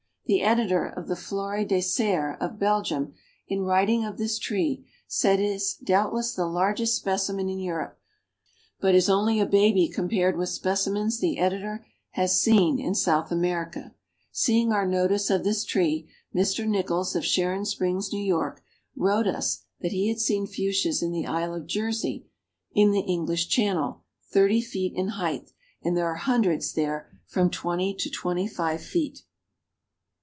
The editor of the Flore des Serres of Belgium, in writing of this tree, says it is doubtless the largest specimen in Europe, but is only a baby compared with specimens the editor has seen in South America. Seeing our notice of this tree, Mr. NICHOLLS of Sharon Springs, N. Y., wrote us that he had "seen Fuchsias in the Isle of Jersey, in the English Channel, thirty feet in height, and there are hundreds there from twenty to twenty five feet."